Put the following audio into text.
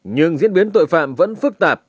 nhưng diễn biến tội phạm vẫn phức tạp